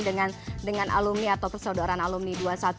dengan alumni atau persaudaraan alumni dua ratus dua belas